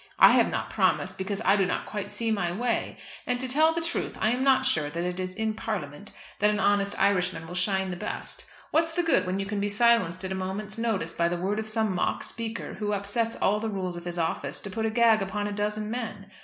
I have not promised because I do not quite see my way. And to tell the truth, I am not sure that it is in Parliament that an honest Irishman will shine the best. What's the good when you can be silenced at a moment's notice by the word of some mock Speaker, who upsets all the rules of his office to put a gag upon a dozen men.